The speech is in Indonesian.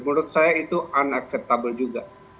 menurut saya itu tidak terima juga